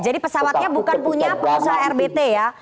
jadi pesawatnya bukan punya pengusaha rbt ya